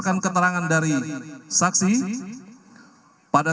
dan segera menemukan perang p pascal